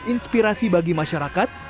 inspirasi bagi masyarakat